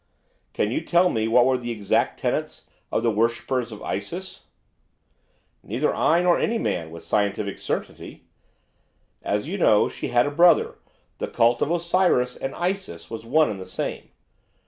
'Can you tell me what were the exact tenets of the worshippers of Isis?' 'Neither I nor any man, with scientific certainty. As you know, she had a brother; the cult of Osiris and Isis was one and the same.